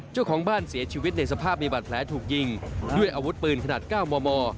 เจ้าของบ้านเสียชีวิตในสภาพมีบาดแผลถูกยิงด้วยอาวุธปืนขนาด๙มม